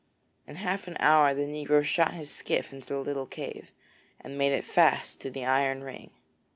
In half an hour the negro shot his skiff into the little cave, and made it fast to the iron ring.